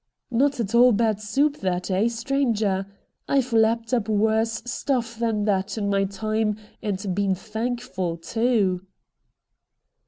'Not at all bad soup that, eh, stranger? I've lapped up worse stuff than that in my time and been thankful too.'